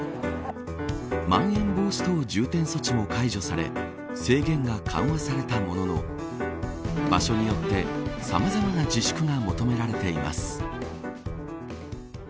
まん延防止等重点措置も解除され制限が緩和されたものの場所によってさまざまな自粛が求められています。